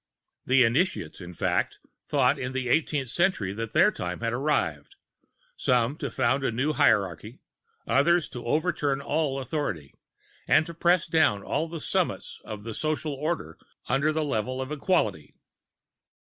"The Initiates, in fact, thought in the eighteenth century that their time had arrived, some to found a new Hierarchy, others to overturn all authority, and to press down all the summits of the Social Order under the level of Equality."